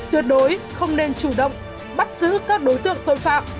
tuyệt đối không nên chủ động bắt giữ các đối tượng tội phạm